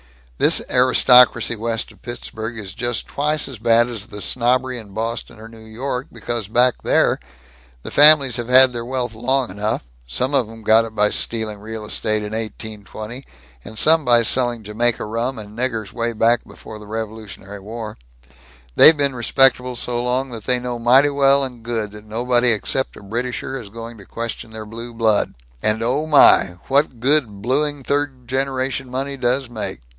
"This aristocracy west of Pittsburgh is just twice as bad as the snobbery in Boston or New York, because back there, the families have had their wealth long enough some of 'em got it by stealing real estate in 1820, and some by selling Jamaica rum and niggers way back before the Revolutionary War they've been respectable so long that they know mighty well and good that nobody except a Britisher is going to question their blue blood and oh my, what good blueing third generation money does make.